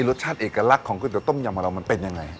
รสชาติอีกลักษณ์ของก๋วยเต๋วต้มยำมันเป็นอย่างไร